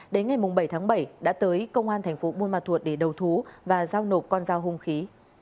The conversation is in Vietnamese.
đến ngày bảy tháng bảy đã tới công an thành phố buôn ma thuột để đầu thú và giao nộp con dao hung khí